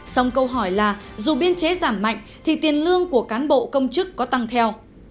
sông câu hỏi là dù biên chế giảm mạnh thì tiền lương của cán bộ công chức có tăng theo